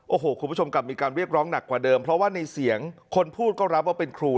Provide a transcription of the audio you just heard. โอ้โหคุณผู้ชมกลับมีการเรียกร้องหนักกว่าเดิมเพราะว่าในเสียงคนพูดก็รับว่าเป็นครู